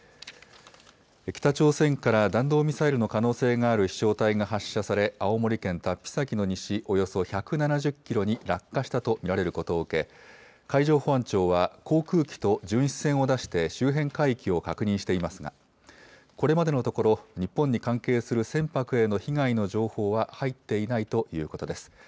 北朝鮮から弾道ミサイルの可能性がある飛しょう体が発射され、青森県龍飛崎の西およそ１７０キロに落下したと見られることを受け、海上保安庁は航空機と巡視船を出して周辺海域を確認していますが、これまでのところ、日本に関係する船舶への被害の情報は入っていないということです。